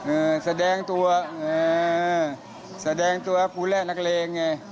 แสดงตัวเออแสดงตัวภูแร่นักเลงไง